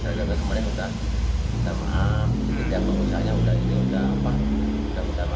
kita maaf kita perusahaannya sudah apa kita perusahaan juga